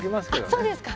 そうですか。